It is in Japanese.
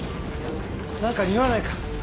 何か臭わないか？